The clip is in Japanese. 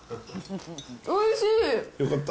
おいしい！